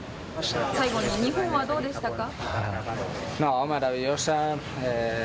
最後に日本はどうでしたか？